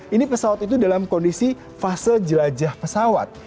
ini pesawat itu dalam kondisi fase jelajah pesawat